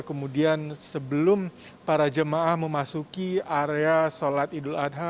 kemudian sebelum para jemaah memasuki area sholat idul adha